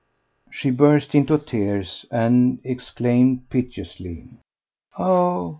." She burst into tears and exclaimed piteously: "Oh!